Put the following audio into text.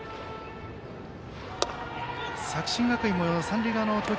作新学院も三塁側の投球